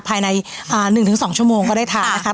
ภายใน๑๒ชั่วโมงก็ได้ทานนะครับ